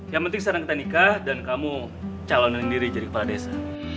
yang penting sekarang kita nikah dan kamu calonin diri jadi kepala desa